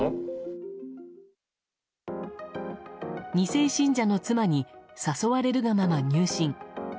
２世信者の妻に誘われるがまま入信。